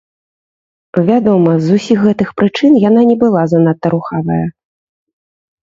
Вядома, з усіх гэтых прычын яна не была занадта рухавая.